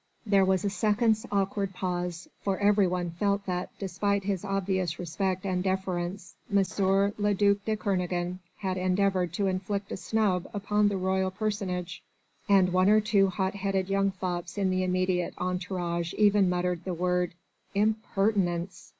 There was a second's awkward pause, for every one felt that despite his obvious respect and deference M. le duc de Kernogan had endeavoured to inflict a snub upon the royal personage, and one or two hot headed young fops in the immediate entourage even muttered the word: "Impertinence!"